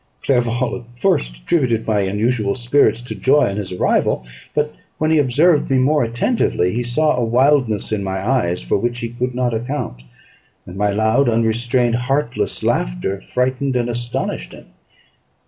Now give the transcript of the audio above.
Clerval at first attributed my unusual spirits to joy on his arrival; but when he observed me more attentively, he saw a wildness in my eyes for which he could not account; and my loud, unrestrained, heartless laughter, frightened and astonished him.